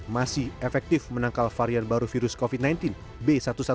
masih efektif menangkal varian baru virus covid sembilan belas b satu ratus tujuh belas